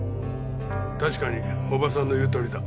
確かにおばさんの言うとおりだ。